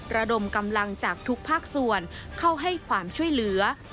ระดมกำลังจากทุกภาคส่วนเข้าให้ความช่วยเหลือ